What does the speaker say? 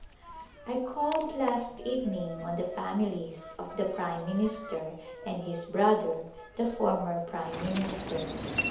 I called last evening on the families of the prime minister and his brother, the former prime minister.